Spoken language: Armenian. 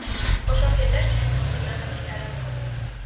Խոշոր գետեր չեն հոսում նահանգի տարածքում։